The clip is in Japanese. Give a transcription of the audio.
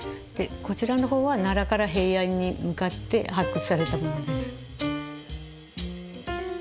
でこちらの方は奈良から平安に向かって発掘されたものです。